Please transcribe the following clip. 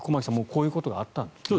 こういうことがあったんですね。